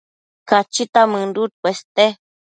Cachita mënduc cueste